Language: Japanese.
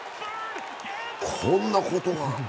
こんなことが。